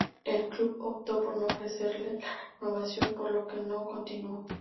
El club optó por no ofrecerle la renovación, por lo que no continuó.